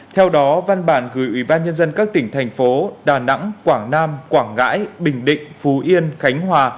theo đó văn bản gửi ủy ban nhân dân các tỉnh thành phố đà nẵng quảng nam quảng ngãi bình định phú yên khánh hòa